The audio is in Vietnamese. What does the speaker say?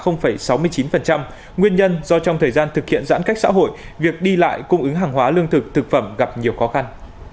nguyên nhân do trong thời gian thực hiện giãn cách xã hội việc đi lại cung ứng hàng hóa lương thực thực phẩm gặp nhiều khó khăn